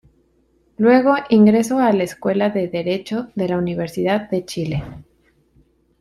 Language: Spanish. Luego ingreso a la escuela de Derecho de la Universidad de Chile.